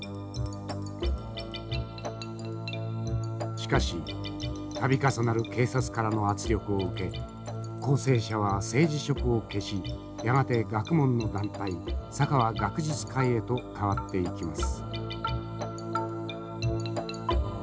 しかし度重なる警察からの圧力を受け公正社は政治色を消しやがて学問の団体佐川学術会へと変わっていきます。